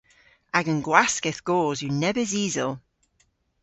Agan gwaskedh goos yw nebes isel.